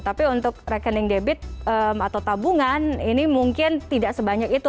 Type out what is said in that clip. tapi untuk rekening debit atau tabungan ini mungkin tidak sebanyak itu